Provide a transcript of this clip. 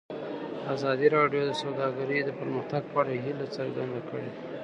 ازادي راډیو د سوداګري د پرمختګ په اړه هیله څرګنده کړې.